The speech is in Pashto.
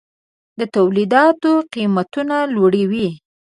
د تولیداتو قیمتونه لوړوي.